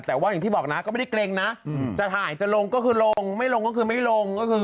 แต่ว่าอย่างที่บอกนะก็ไม่ได้เกรงนะจะถ่ายจะลงก็คือลงไม่ลงก็คือไม่ลงก็คือ